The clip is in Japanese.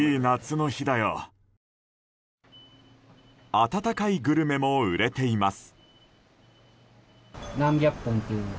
温かいグルメも売れています。